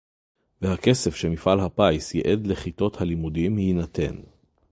והכסף שמפעל הפיס ייעד לכיתות הלימודים יינתן